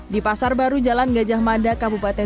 di pasar baru jalan gajah mada kabupaten jawa timur